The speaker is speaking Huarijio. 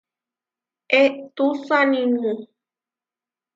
Eʼtusanimu.